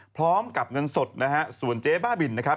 พร้อมกับเงินสดนะฮะส่วนเจ๊บ้าบินนะครับ